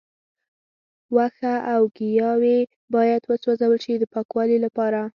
وښه او ګیاوې باید وسوځول شي د پاکوالي لپاره.